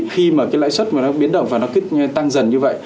khi mà cái lãi xuất nó biến động và nó cứ tăng dần như vậy